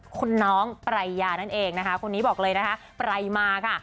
คุณน้องปรายยานั่นเองนะคะคนนี้บอกเลยนะคะปรายมาค่ะ